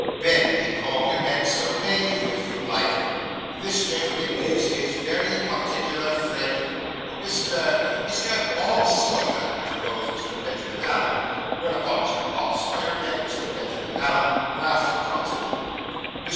Ben we call him, and so may you, if you like. This gentleman is his very particular friend, Mr. ' 'Mr. Bob Sawyer,' interposed Mr. Benjamin Allen; whereupon Mr. Bob Sawyer and Mr. Benjamin Allen laughed in concert. Mr.